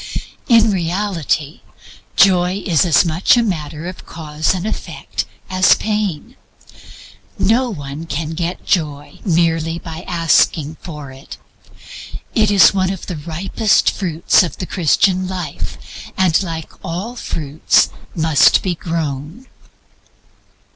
In reality, Joy is as much a matter of Cause and Effect as pain. No one can get Joy by merely asking for it. It is one of the ripest fruits of the Christian life, and, like all fruits, must be grown.